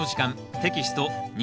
テキスト２